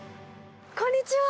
こんにちは。